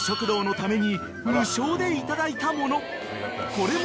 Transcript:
［これも］